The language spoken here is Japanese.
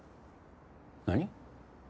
何？